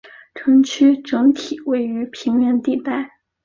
城区整体位于平原地带。